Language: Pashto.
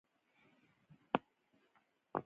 شتمني یې خپله بلله.